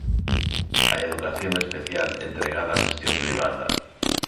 A Educación Especial, entregada á xestión privada.